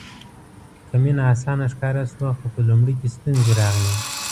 که مینه اسانه ښکاره شوه خو په لومړي کې ستونزې راغلې.